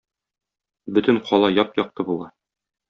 Бөтен кала яп-якты була.